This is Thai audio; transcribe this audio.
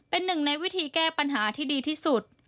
เป็นหนึ่งในวิธีแก้ปัญหาที่ดีที่สุด